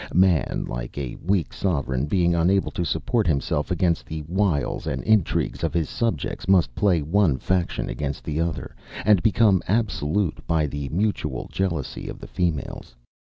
Man, like a weak sovereign, being unable to support himself against the wiles and intrigues of his subjects, must play one faction against another, and become absolute by the mutual jealousy of the females.